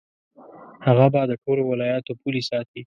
هغه به د ټولو ولایاتو پولې ساتي.